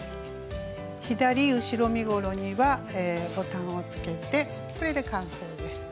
左後ろ身ごろにはボタンをつけてこれで完成です。